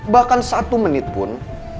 bahkan satu menit pun